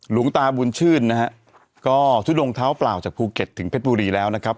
หลวงตาบุญชื่นนะฮะก็ทุดงเท้าเปล่าจากภูเก็ตถึงเพชรบุรีแล้วนะครับ